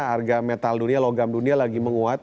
harga metal dunia logam dunia lagi menguat